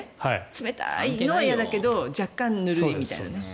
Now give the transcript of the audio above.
冷たいのは嫌だけど若干ぬるいみたいな。